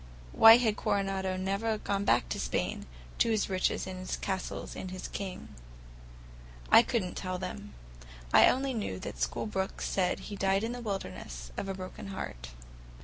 Why had Coronado never gone back to Spain, to his riches and his castles and his king? I could n't tell them. I only knew the school books said he "died in the wilderness, of a broken heart."